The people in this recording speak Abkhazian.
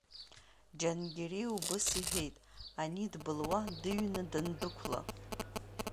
Џьангьари убыс иҳәеит ани дбылуа, дыҩны дандәықәла…